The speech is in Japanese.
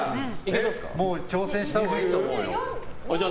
挑戦したほうがいいと思うよ。